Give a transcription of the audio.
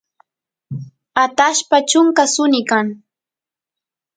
atashpa chunka suni kan